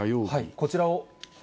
こちらを。